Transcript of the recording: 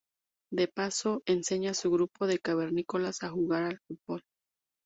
De paso, enseña a su grupo de cavernícolas a jugar al fútbol.